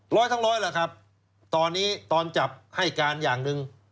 ร้อยทั้งร้อยแหละครับตอนนี้ตอนจับให้การอย่างหนึ่ง